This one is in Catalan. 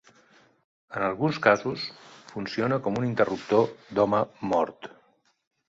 En alguns casos, funciona com un interruptor d'home mort.